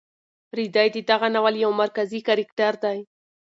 رېدی د دغه ناول یو مرکزي کرکټر دی.